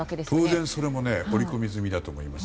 当然、それも織り込み済みだと思います。